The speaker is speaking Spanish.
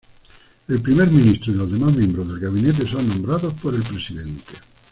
El primer ministro y los demás miembros del gabinete son nombrados por el presidente.